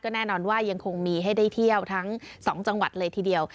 แน่นอนว่ายังคงมีให้ได้เที่ยวทั้ง๒จังหวัดเลยทีเดียว